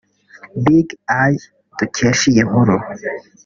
BigEye dukesha iyi nkuru